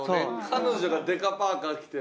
彼女がデカパーカー着て。